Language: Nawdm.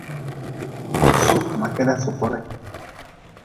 Su ma keda sukure.